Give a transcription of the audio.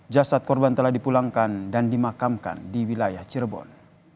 jasad korban telah dipulangkan dan dimakamkan di wilayah cirebon